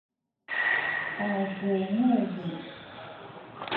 Tawpungu li